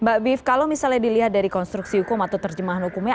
mbak bif kalau misalnya dilihat dari konstruksi hukum atau terjemahan hukumnya